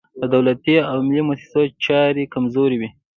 د دولتي او ملي موسسو چارې کمزورې وي.